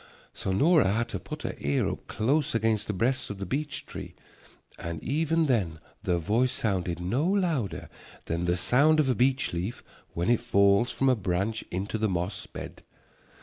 So Nora had to put her ear up close against the breast of the beech tree and even then the voice sounded no louder than the sound of a beech leaf when it falls from a branch into the moss bed.